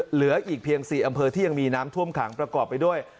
เหลืออีกเพียง๔อำเภอที่ยังมีน้ำท่วมขังประกอบไปด้วย